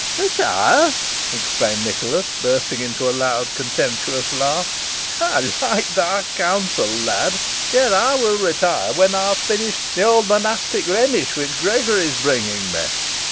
"Retire!" exclaimed Nicholas, bursting into a loud, contemptuous laugh. "I like thy counsel, lad. Yes, I will retire when I have finished the old monastic Rhenish which Gregory is bringing me.